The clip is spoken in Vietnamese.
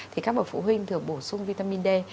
thì các bậc phụ huynh thường bổ sung vitamin d